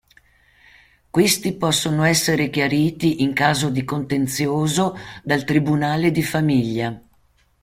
Questi possono essere chiariti in caso di contenzioso dal tribunale di famiglia.